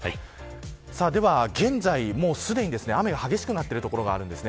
では現在、すでに雨が激しくなってるところがあるんです。